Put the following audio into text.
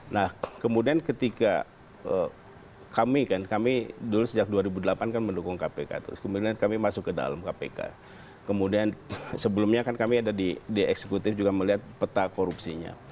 nah kemudian ketika kami kan kami dulu sejak dua ribu delapan kan mendukung kpk terus kemudian kami masuk ke dalam kpk kemudian sebelumnya kan kami ada di eksekutif juga melihat peta korupsinya